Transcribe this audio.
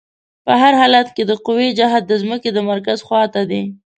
په هر حالت کې د قوې جهت د ځمکې د مرکز خواته دی.